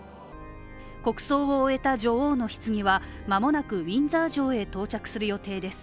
国葬を終えた女王のひつぎは間もなくウィンザー城へ到着する予定です。